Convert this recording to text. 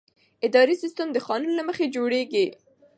اداري سیستم د قانون له مخې جوړېږي.